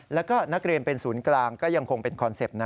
แล้วก็นักเรียนเป็นศูนย์กลางก็ยังคงเป็นคอนเซ็ปต์นะ